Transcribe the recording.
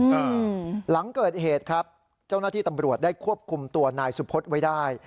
หลังเกิดเหตุครับเจ้าหน้าที่ตำรวจได้ควบคุมตัวนายสุพธไว้ได้